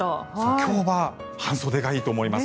今日は半袖がいいと思います。